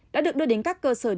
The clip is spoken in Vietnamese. đã được đưa đến các cơ sở